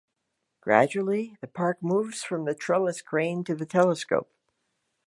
Gradually, the park moves from the Trellis crane to the telescope.